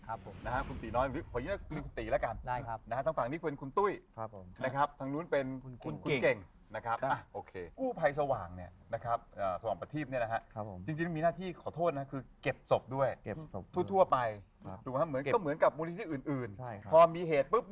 นะฮะครับผมนะฮะคุณตีน้อยหรือขอยืนคุณตีละกันได้ครับนะฮะทางฝั่งนี้คุณตุ้ยครับผมนะครับทางนู้นเป็นคุณเก่งนะครับอ่ะโอเคกู้ภัยสว่างเนี่ยนะครับอ่าสว่างประทีปเนี่ยนะฮะครับผมจริงจริงมีหน้าที่ขอโทษนะคือเก็บศพด้วยเก็บศพทั่วไปครับถูกไหมครับเหมือนกับมูลิติอื่นอื่นใช่ครับพอม